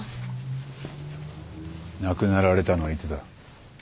亡くなられたのはいつだ？